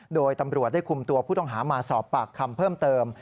โดยตำรวจได้คุมตัวผู้ต้องหามาสอบปากคำเพิ่มเติม